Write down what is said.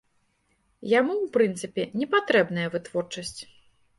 Яму, у прынцыпе, не патрэбная вытворчасць.